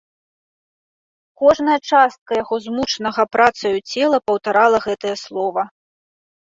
Кожная частка яго змучанага працаю цела паўтарала гэтае слова.